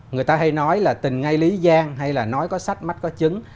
người ta hay nói là tình ngay lý gian hay là nói có sách mắt có trứng